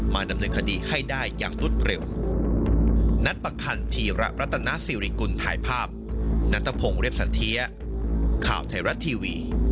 ดำเนินคดีให้ได้อย่างรวดเร็ว